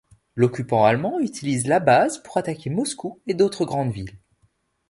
L'occupant allemand utilise la base pour attaquer Moscou et d'autres grandes villes.